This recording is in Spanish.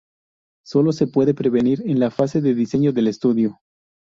Solo se puede prevenir en la fase de diseño del estudio.